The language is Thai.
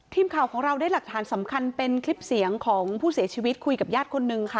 ทีมข่าวของเราได้หลักฐานสำคัญเป็นคลิปเสียงของผู้เสียชีวิตคุยกับญาติคนนึงค่ะ